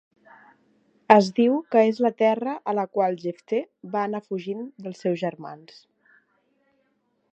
Es diu que és la terra a la qual Jefté va anar fugint dels seus germans.